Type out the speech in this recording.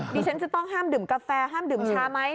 ดิฉันจะต้องห้ามดื่มกาแฟห้ามดื่มชาไหม